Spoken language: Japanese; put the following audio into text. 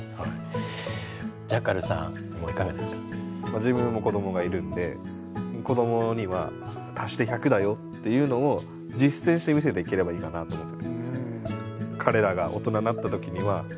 自分も子どもがいるんで子どもには足して１００だよっていうのを実践して見せていければいいかなと思ってて。